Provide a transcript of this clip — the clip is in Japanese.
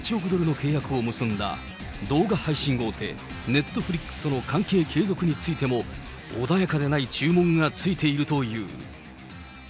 ２０２０年に５年１億ドルの契約を結んだ動画配信大手、ネットフリックスとの関係継続についても、穏やかでない注文がついているという。